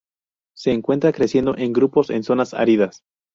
Se encuentra creciendo en grupos, en zonas áridas.